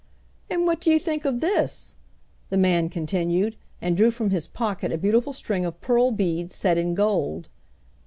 "And what do you think of this?" the man continued, and drew from his pocket a beautiful string of pearl beads set in gold.